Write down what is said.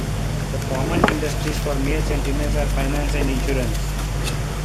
The common industries for males and females are finance and insurance.